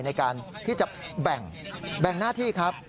ในการที่จะแบ่งหน้าที่ครับ